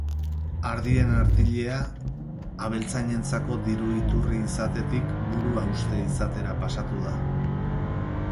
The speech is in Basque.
Ardien artilea, abeltzainentzako diru-iturri izatetik, buruhauste izatera pasatu da.